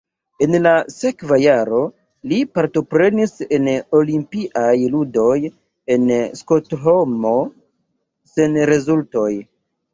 En la sekva jaro li partoprenis en Olimpiaj ludoj en Stokholmo sen rezultoj.